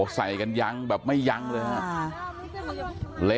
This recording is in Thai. ใส่กันยังแบบไม่ยั้งเลยครับ